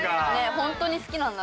本当に好きなんだな。